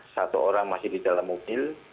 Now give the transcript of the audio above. satu orang masih di dalam mobil